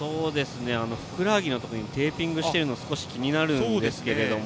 ふくらはぎのところにテーピングしているのが少し気になるんですけど。